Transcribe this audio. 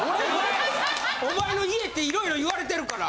お前の家っていろいろ言われてるから。